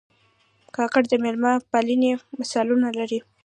کاکړ د مېلمه پالنې مثالونه لري.